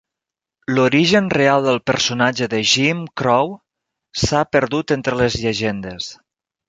L'origen real del personatge de Jim Crow s'ha perdut entre les llegendes.